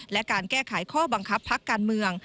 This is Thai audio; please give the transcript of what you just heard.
และการแก้ไขข้อบังคับพักการเมือง